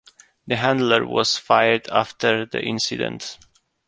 The handler was fired after the incident.